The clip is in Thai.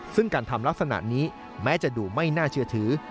ซึ่งการทำลักษณะนี้แม้จะดูไม่น่าเชื่อถือ